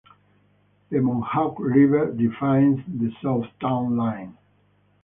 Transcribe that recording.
The Mohawk River defines the south town line.